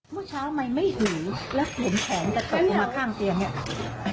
เมื่อเช้าไม่หูแล้วผมแขนจะตกมาข้างเตียงนี่